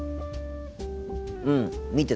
うん見てた。